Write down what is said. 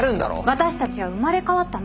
私たちは生まれ変わったの。